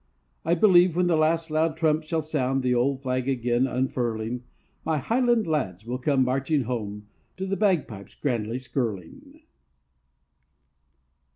I believe when the last loud trump shall sound, The old flag again unfurling, My highland lads will come marching home To the bagpipes grandly skirling.